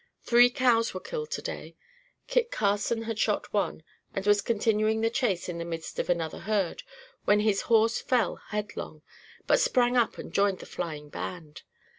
Three cows were killed today. Kit Carson had shot one, and was continuing the chase in the midst of another herd, when his horse fell headlong, but sprang up and joined the flying band.